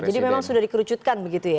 oke jadi memang sudah dikerucutkan begitu ya